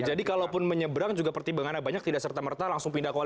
jadi kalaupun menyeberang juga pertimbangan banyak tidak serta merta langsung pindah ke pan